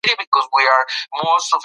دا کور تر هغه بل کور ډېر زوړ دی.